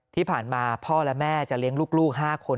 ที่ผ่านมาพ่อและแม่จะเลี้ยงลูก๕คน